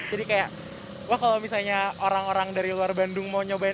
jadi kayak wah kalau misalnya orang orang dari luar bandung mau nyobain